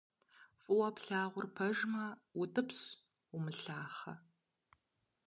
Фӏыуэ плъагъур пэжымэ - утӏыпщ, умылъахъэ.